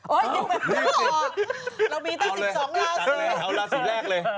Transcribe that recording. โอ๊ยเรามีแต่๑๒ลาสีเอาลาสีแรกเลย